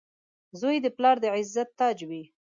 • زوی د پلار د عزت تاج وي.